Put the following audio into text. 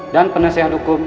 dan penasihat hukum